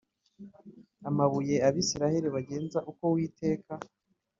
amabuye Abisirayeli bagenza uko Uwiteka